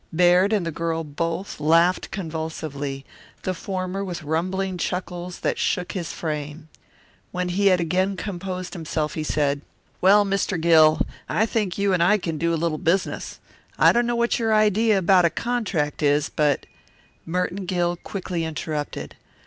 Baird and the girl both laughed convulsively, the former with rumbling chuckles that shook his frame. When he had again composed himself he said, "Well, Mr. Gill, I think you and I can do a little business. I don't know what your idea about a contract is, but " Merton Gill quickly interrupted.